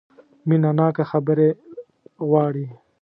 مینه ناکه خبرې غواړي .